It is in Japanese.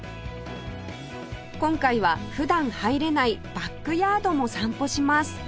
今回は普段入れないバックヤードも散歩します